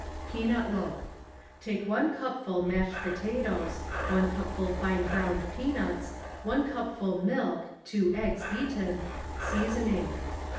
PEANUT LOAF— Take 1 cupful mashed potatoes, 1 cupful fine groinid peanuts, 1 cupful milk. 2 eggs beaten, seasoning.